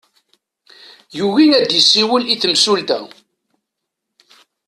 Yugi ad isiwel i temsulta.